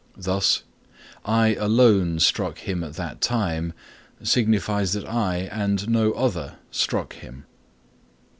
Thus "I alone struck him at that time" signifies that I and no other struck him.